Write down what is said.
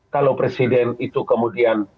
kalau presiden itu kemudian